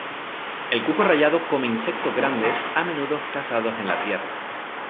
El cuco rayado come insectos grandes, a menudo cazados en la tierra.